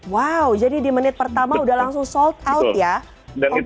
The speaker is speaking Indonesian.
wow jadi di menit pertama udah langsung sold out ya